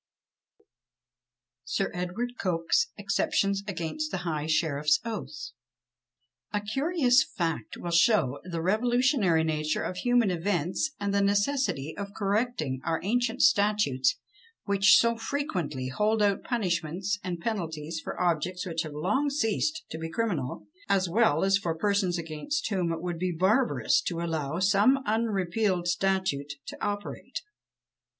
SIR EDWARD COKE'S EXCEPTIONS AGAINST THE HIGH SHERIFF'S OATH. A curious fact will show the revolutionary nature of human events, and the necessity of correcting our ancient statutes, which so frequently hold out punishments and penalties for objects which have long ceased to be criminal; as well as for persons against whom it would be barbarous to allow some unrepealed statute to operate.